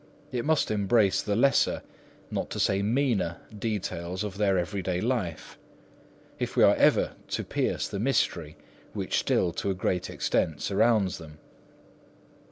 It must embrace the lesser, not to say meaner, details of their everyday life, if we are ever to pierce the mystery which still to a great extent surrounds them.